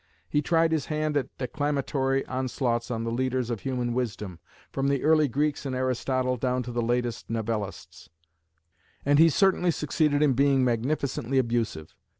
He tried his hand at declamatory onslaughts on the leaders of human wisdom, from the early Greeks and Aristotle down to the latest "novellists;" and he certainly succeeded in being magnificently abusive.